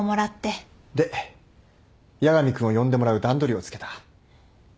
で八神君を呼んでもらう段取りをつけた。